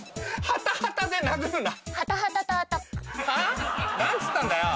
は？何つったんだよ？